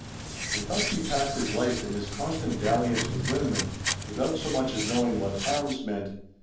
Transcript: And thus he passed his life in this constant dalliance with women, without so much as knowing what arms meant.